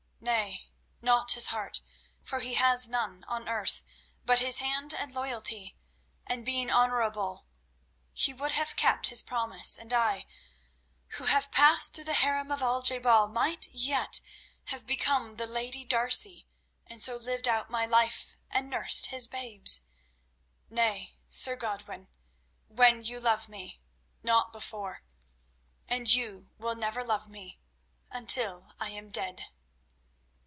Nay, not his heart, for he has none on earth, but his hand and loyalty. And, being honourable, he would have kept his promise, and I, who have passed through the harem of Al je bal, might yet have become the lady D'Arcy, and so lived out my life and nursed his babes. Nay, Sir Godwin; when you love me—not before; and you will never love me—until I am dead."